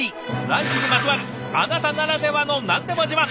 ランチにまつわるあなたならではの何でも自慢。